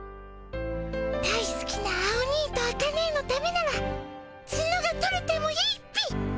大すきなアオニイとアカネエのためならツノが取れてもいいっピ。